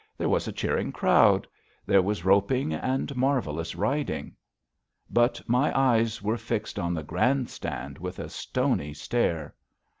There was a cheering crowd. There was roping, and marvelous riding. But my eyes were fixed on the grand stand with a stony stare.